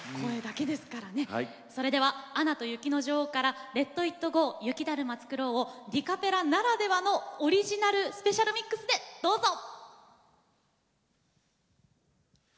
それでは「アナと雪の女王」から「レット・イット・ゴー／雪だるまつくろう」をディカペラならではのオリジナルスペシャルミックスでどうぞ！